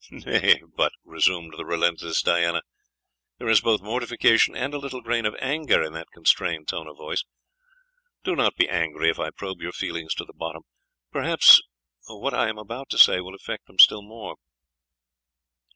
"Nay, but," resumed the relentless Diana, "there is both mortification and a little grain of anger in that constrained tone of voice; do not be angry if I probe your feelings to the bottom perhaps what I am about to say will affect them still more."